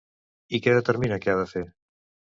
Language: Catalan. I què determina que ha de fer?